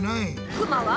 クマは？